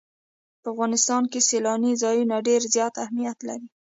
په افغانستان کې سیلاني ځایونه ډېر زیات اهمیت لري.